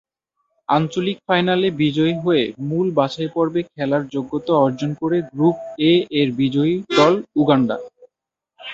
আঞ্চলিক ফাইনালে বিজয়ী হয়ে মূল বাছাইপর্বে খেলার যোগ্যতা অর্জন করে গ্রুপ এ-এর বিজয়ী দল উগান্ডা।